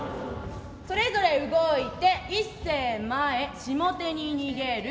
それぞれ動いて一清前下手に逃げる。